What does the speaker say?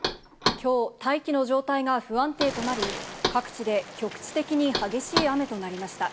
きょう、大気の状態が不安定となり、各地で局地的に激しい雨となりました。